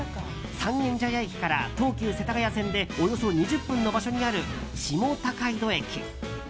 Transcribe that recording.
三軒茶屋駅から東急世田谷線でおよそ２０分の場所にある下高井戸駅。